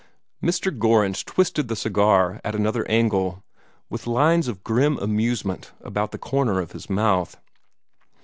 Mr. Gorringe twisted the cigar at another angle, with lines of grim amusement about the corner of his mouth.